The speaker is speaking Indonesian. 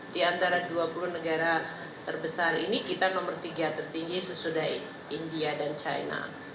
di antara dua puluh negara terbesar ini kita nomor tiga tertinggi sesudah india dan china